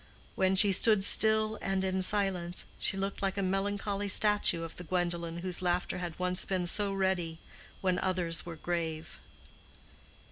When she stood still and in silence, she looked like a melancholy statue of the Gwendolen whose laughter had once been so ready when others were grave.